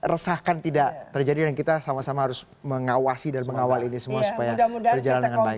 jadi mudah mudahan apa yang kita resahkan tidak terjadi dan kita sama sama harus mengawasi dan mengawal ini semua supaya berjalan dengan baik